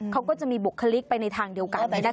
เขาก็จะมีบุคลิกไปในทางเดียวกัน